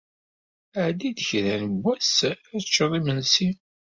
Ɛeddi-d kra n wass ad teččeḍ imensi.